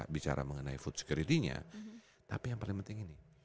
bicara mengenai food security nya tapi yang paling penting ini